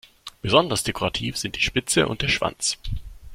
Besonders dekorativ sind die Spitze und der Schwanz.